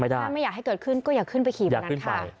ถ้าไม่อยากให้เกิดขึ้นก็อย่าขึ้นไปขี่บนนั้นค่ะ